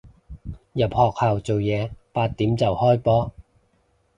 入學校做嘢，八點就開波